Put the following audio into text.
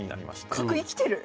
あっ角生きてる！